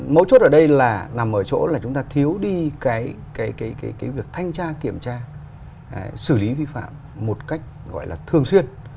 mỗi chốt ở đây nằm ở chỗ là chúng ta thiếu đi việc thanh tra kiểm tra xử lý vi phạm một cách gọi là thường xuyên